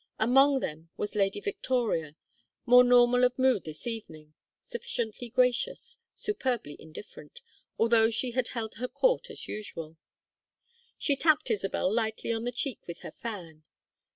Among them was Lady Victoria, more normal of mood this evening, sufficiently gracious, superbly indifferent, although she had held her court as usual. She tapped Isabel lightly on the cheek with her fan.